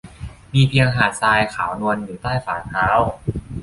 มีเพียงหาดทรายขาวนวลอยู่ใต้ฝ่าเท้า